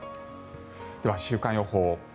では、週間予報。